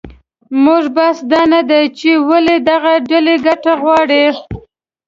زموږ بحث دا نه دی چې ولې دغه ډلې ګټه غواړي